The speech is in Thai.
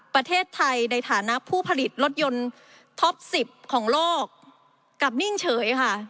ประเทศไทยในฐานะผู้ผลิตรถยนต์ท็อป๑๐ของโลกกลับนิ่งเฉยค่ะ